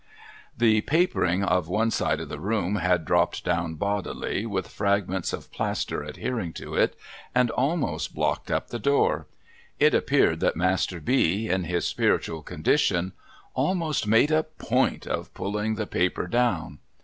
The papering of one side of the room had dropped down bodily, with fragments of plaster adhering to it, and almost blocked up the door. It appeared that Master B., in his spiritual condition, almost made a point of pulling the paper down.